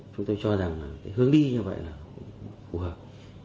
chúng tôi cho rằng hướng đi như vậy là phù hợp